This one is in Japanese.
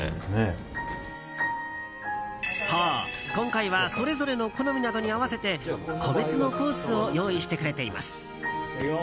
そう、今回はそれぞれの好みなどに合わせて個別のコースを用意してくれています。